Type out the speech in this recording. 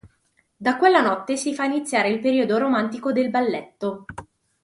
Da quella notte si fa iniziare il periodo romantico del balletto.